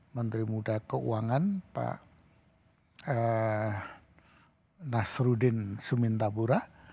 menteri muda keuangan pak nasruddin sumintabura